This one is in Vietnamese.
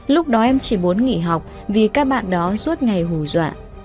lúc đó em chỉ muốn nghỉ học vì các bạn đó suốt ngày hù dọa